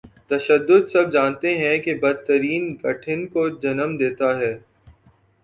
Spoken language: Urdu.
تشدد سب جانتے ہیں کہ بد ترین گھٹن کو جنم دیتا ہے۔